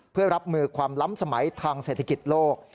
เพื่อรับมือความล้ำสมัยทางเศรษฐกิจโลก